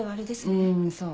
うんそう。